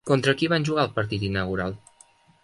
Contra qui van jugar el partit inaugural?